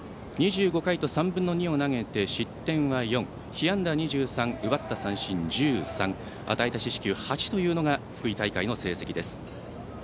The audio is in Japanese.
２５回と３分の２を投げて失点は４被安打２３、奪った三振は１３与えた四死球８というのが福井大会の成績です。